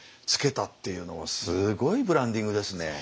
付けたっていうのはすごいブランディングですね。